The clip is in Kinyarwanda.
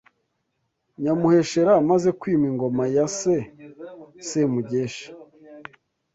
Nyamuheshera amaze kwima ingoma ya se Semugeshi